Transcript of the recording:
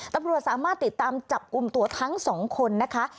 ตำรวจสามารถติดตามจับกลุ่มตัวทั้งสองคนนะคะ